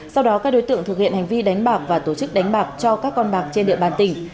sau đó các đối tượng thực hiện hành vi đánh bạc và tổ chức đánh bạc cho các con bạc trên địa bàn tỉnh